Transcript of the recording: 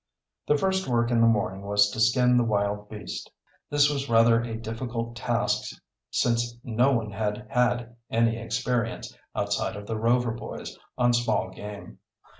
The first work in the morning was to skin the wild beast. This was rather a difficult task since no one had had any experience, outside of the Rover boys, on small game.